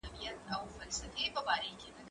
زه کولای سم درسونه لوستل کړم!.